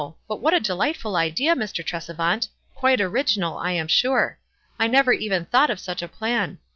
But what a delightful idea, Mr. Tresevant. Quite original, I am sure. I never even thought of such a plan.